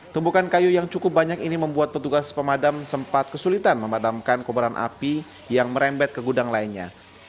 tumbukan kayu yang cukup banyak ini membuat petugas pemadam sempat kesulitan memadamkan kobaran api yang merembet ke gudang lainnya